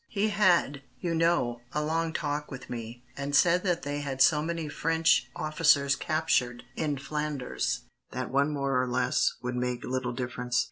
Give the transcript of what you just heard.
He had, you know, a long talk with me, and said that they had so many French officers captured in Flanders, that one more or less would make little difference.